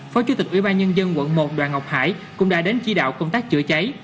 phó chủ tịch ủy ban nhân dân quận một đoàn ngọc hải cũng đã đến chỉ đạo công tác chữa cháy